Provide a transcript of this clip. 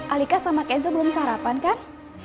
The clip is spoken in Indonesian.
alika sama kezo belum sarapan kan